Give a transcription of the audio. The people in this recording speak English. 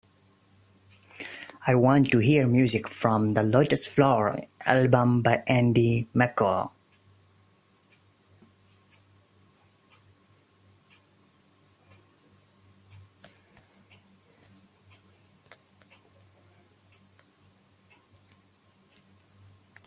I want to hear music from the Lotus Flower album by Andy Mccoy